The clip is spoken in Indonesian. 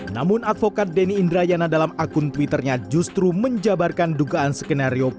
namun advokat denny indrayana dalam akun twitternya justru menjabarkan dugaan skenario